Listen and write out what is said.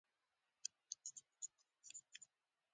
وسله د ونو ساه بندوي